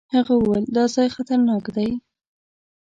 هغه وويل دا ځای خطرناک دی.